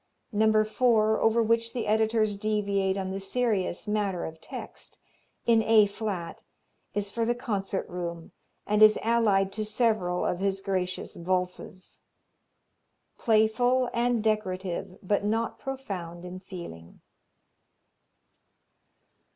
No. 4, over which the editors deviate on the serious matter of text, in A flat, is for the concert room, and is allied to several of his gracious Valses. Playful and decorative, but not profound in feeling.